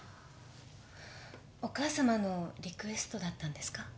お義母さまのリクエストだったんですか？